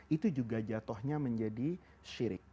itu juga jatuhnya menjadi syirik